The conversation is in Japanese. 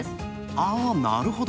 あー、なるほど！